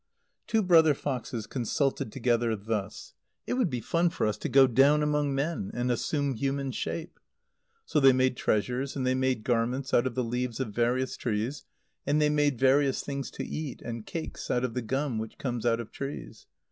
_ Two brother foxes consulted together thus: "It would be fun for us to go down among men, and assume human shape." So they made treasures and they made garments out of the leaves of various trees, and they made various things to eat and cakes out of the gum which comes out of trees.